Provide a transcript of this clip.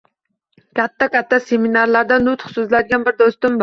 Katta-katta seminarlarda nutq so’zlaydigan bir do’stim bor